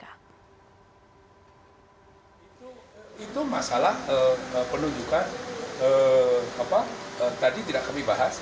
itu masalah penunjukan tadi tidak kami bahas